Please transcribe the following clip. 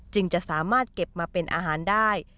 จะสามารถเก็บมาเป็นอาหารได้